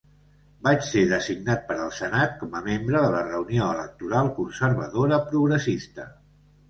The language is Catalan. Va ser designat per al senat, com a membre de la reunió electoral conservadora progressista.